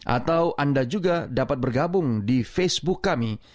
atau anda juga dapat bergabung di facebook kami